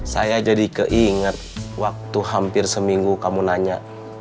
saya jadi keinget waktu hampir seminggu kamu nanya